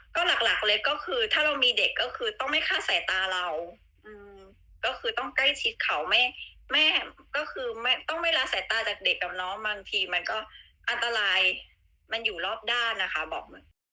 ก็หลักเลยก็คือถ้าเรามีเด็กก็คือต้องไม่คาดสายตาเราก็คือต้องใกล้ชิดเขาแม่ก็คือไม่ต้องไม่ละสายตาจากเด็กกับน้องบางทีมันก็อันตรายมันอยู่รอบด้านนะคะบอก